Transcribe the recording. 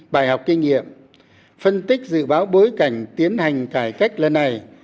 bài học kinh nghiệm phân tích dự báo bối cảnh tiến hành cải cách lần này